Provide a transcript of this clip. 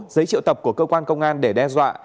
giấy triệu tập của cơ quan công an để đe dọa